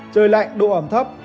trời lạnh độ ẩm thấp